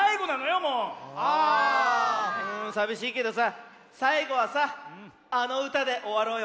さびしいけどささいごはさあのうたでおわろうよ。